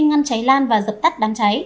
ngăn cháy lan và giật tắt đám cháy